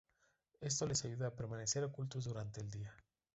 Esto les ayuda a permanecer ocultos durante el día.